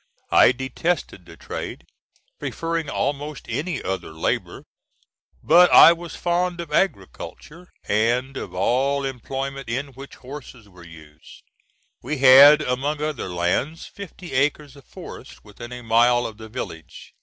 I detested the trade, preferring almost any other labor; but I was fond of agriculture, and of all employment in which horses were used. We had, among other lands, fifty acres of forest within a mile of the village.